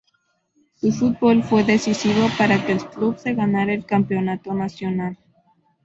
Su fútbol fue decisivo para que el club se ganara el Campeonato Nacional.